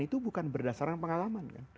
itu bukan berdasarkan pengalaman